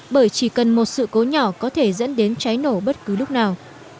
bởi chỉ cần một sự cố nhỏ có thể dẫn đến cháy nổ bất cứ lúc nào